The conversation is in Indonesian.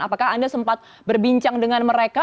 apakah anda sempat berbincang dengan mereka